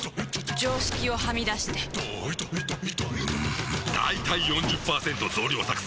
常識をはみ出してんだいたい ４０％ 増量作戦！